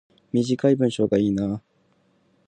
短い文章がいいな